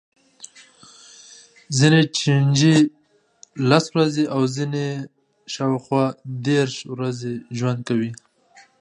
ځینې چینجي لس ورځې او ځینې یې شاوخوا دېرش ورځې ژوند کوي.